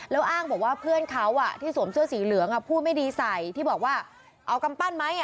แล้วอ้างบอกว่าเพื่อนเขาที่สวมเสื้อสีเหลืองพูดไม่ดีใส่ที่บอกว่าเอากำปั้นไหม